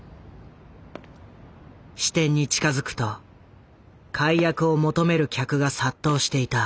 支店に近づくと解約を求める客が殺到していた。